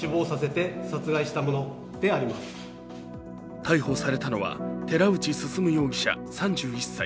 逮捕されたのは、寺内進容疑者３１歳。